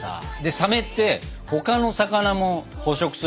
サメって他の魚も捕食するでしょ？